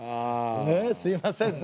ねえすいませんね。